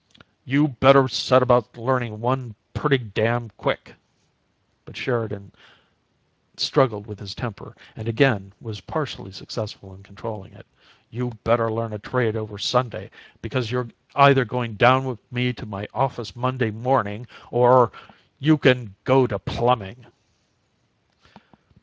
"You better set about learnin' one pretty dam' quick!" But Sheridan struggled with his temper and again was partially successful in controlling it. "You better learn a trade over Sunday, because you're either goin' down with me to my office Monday morning or you can go to plumbing!"